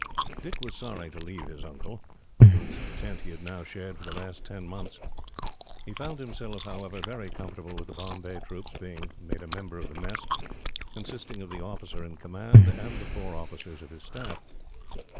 Dick was sorry to leave his uncle, whose tent he had now shared for the last ten months. He found himself, however, very comfortable with the Bombay troops, being made a member of the mess, consisting of the officer in command and the four officers of his staff.